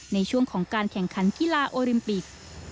ในช่วงของการแข่งขันกีฬาโอลิมปิก